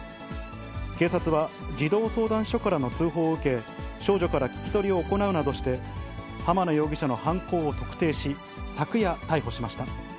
警察は児童相談所からの通報を受け、少女から聞き取りを行うなどして浜名容疑者の犯行を特定し、昨夜逮捕しました。